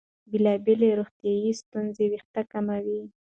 بېلابېلې روغتیايي ستونزې وېښتې کموي.